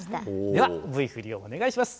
ではＶふりをお願いします！